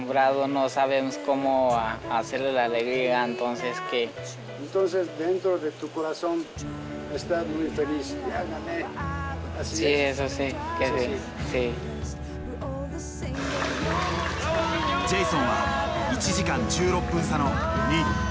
ジェイソンは１時間１６分差の２位。